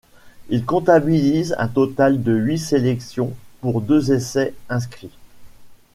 Il comptabilise un total de huit sélections pour deux essais inscrits.